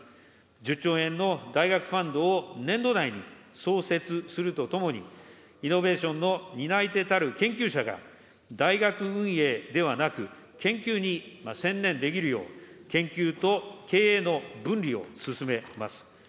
１０兆円の大学ファンドを年度内に創設するとともに、イノベーションの担い手たる研究者が、大学運営ではなく、研究に専念できるよう、研究と経営の分離を進めます。